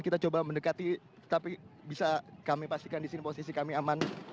kita coba mendekati tapi bisa kami pastikan di sini posisi kami aman